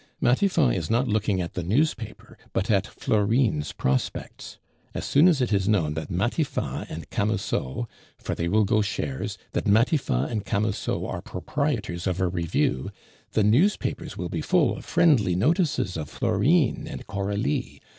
Matifat is not looking at the newspaper, but at Florine's prospects. As soon as it is known that Matifat and Camusot (for they will go shares) that Matifat and Camusot are proprietors of a review, the newspapers will be full of friendly notices of Florine and Coralie.